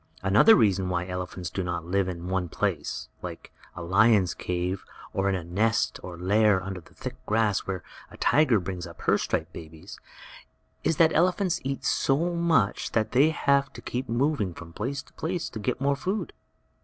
Another reason why elephants do not live in one place, like a lion's cave, or in a nest or lair under the thick grass where a tiger brings up her striped babies, is that elephants eat so much that they have to keep moving from place to place to get more food.